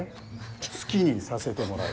好きにさせてもらう。